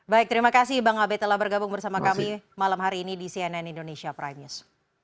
baik terima kasih bang abe telah bergabung bersama kami malam hari ini di cnn indonesia prime news